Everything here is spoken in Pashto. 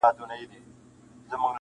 که په خوب دي جنت و نه لید بیا وایه-